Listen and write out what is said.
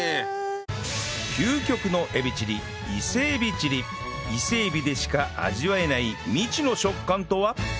究極のエビチリ伊勢エビでしか味わえない未知の食感とは？